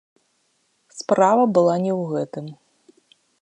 Справа была не ў гэтым.